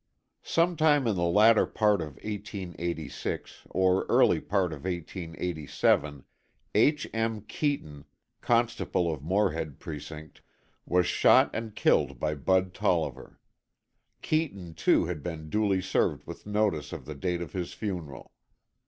Sometime in the latter part of 1886, or early part of 1887, H. M. Keeton, constable of Morehead precinct, was shot and killed by Bud Tolliver. Keeton, too, had been duly served with notice of the date of his funeral.